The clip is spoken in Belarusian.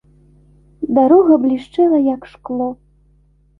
Дарога блішчэла, як шкло.